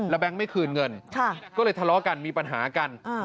แก๊งไม่คืนเงินก็เลยทะเลาะกันมีปัญหากัน